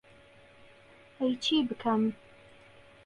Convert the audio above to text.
ئەی چی بکەم؟